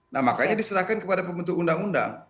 nah makanya diserahkan kepada pembentuk undang undang